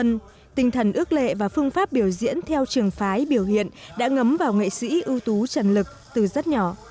trần thị xuân tinh thần ước lệ và phương pháp biểu diễn theo trường phái biểu hiện đã ngấm vào nghệ sĩ ưu tú trần lực từ rất nhỏ